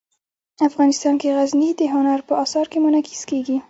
افغانستان کې غزني د هنر په اثار کې منعکس کېږي.